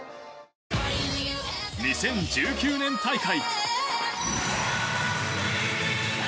２０１９年大会。